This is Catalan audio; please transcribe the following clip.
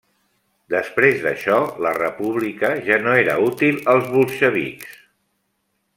Després d'això la república ja no era útil als bolxevics.